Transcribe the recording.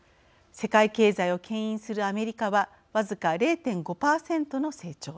世界経済をけん引するアメリカは僅か０．５％の成長。